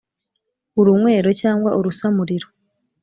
Urunywero cyangwa urusamuriro